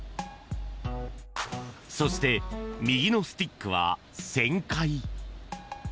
そして右のスティックは旋回。